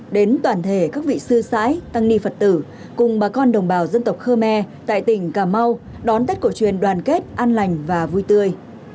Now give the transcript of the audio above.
đến toàn thể các vị sư sãi tăng ni phật tử cùng bà con đồng bào dân tộc khơ me tại tỉnh cà mau đón tết cổ truyền đoàn kết an lành và vui tươi